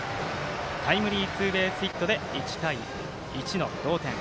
タイムリーツーベースヒットで１対１の同点。